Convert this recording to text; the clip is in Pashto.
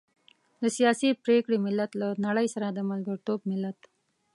د سياسي پرېکړې ملت، له نړۍ سره د ملګرتوب ملت.